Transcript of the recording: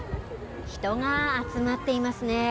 人が集まっていますね。